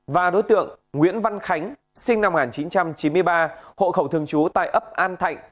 và đối tượng nguyễn văn khánh sinh năm một nghìn chín trăm chín mươi ba hộ khẩu thường trú tại ấp an thạnh